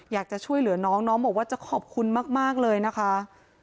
อยากจะช่วยเหลือน้องน้องบอกว่าจะขอบคุณมากเลยนะคะ